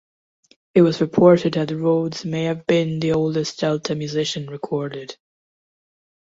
It was reported that Rhodes may have been the oldest Delta musician recorded.